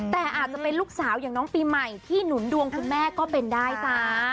แต่อาจจะเป็นลูกสาวอย่างน้องปีใหม่ที่หนุนดวงคุณแม่ก็เป็นได้จ้า